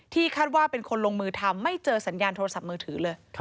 คาดว่าเป็นคนลงมือทำไม่เจอสัญญาณโทรศัพท์มือถือเลย